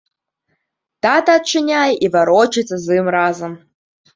Тата адчыняе і варочаецца з ім разам.